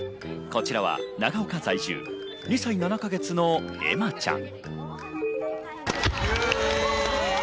こちらは長岡在住、２歳７か月の咲茉ちゃん。